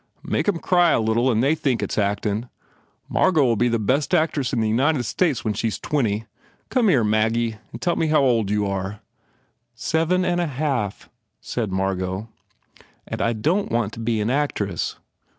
Make em cry a little and they think it s actin . Margot ll be the boss actress of the United States when she s twenty Come here, Maggie, and tell me how old you are." "Seven and a half," said Margot, "and I don t want to be an actress."